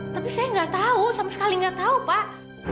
tapi saya gak tahu sama sekali gak tahu pak